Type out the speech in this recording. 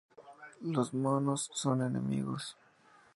Los monos son enemigos.